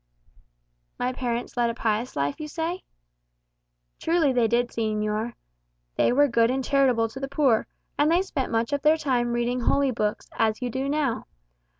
"My parents led a pious life, you say?" "Truly they did, señor. They were good and charitable to the poor; and they spent much of their time reading holy books, as you do now.